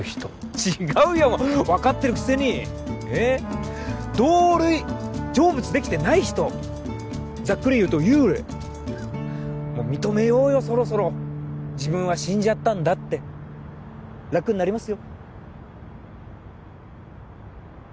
違うよわかってるくせに同類成仏できてない人ざっくり言うと幽霊もう認めようよそろそろ自分は死んじゃったんだって楽になりますよ